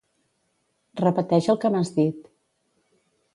Repeteix el que m'has dit.